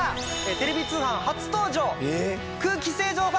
テレビ通販初登場。